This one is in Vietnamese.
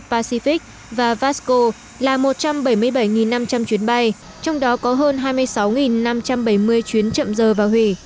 pacific và vasco là một trăm bảy mươi bảy năm trăm linh chuyến bay trong đó có hơn hai mươi sáu năm trăm bảy mươi chuyến chậm giờ và hủy